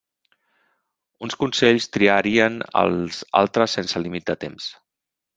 Uns consells triarien als altres sense límit de temps.